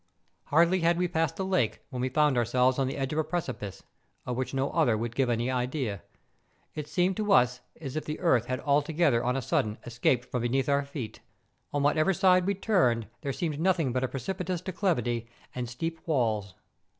Hardly had we passed the lake when we found ourselves on the edge of a precipice, of which no other would give any idea. It seemed as if the earth had altogether on a sudden escaped from beneath our feet. On whatever side we turned there seemed nothing but a precipitous declivity and steep walls.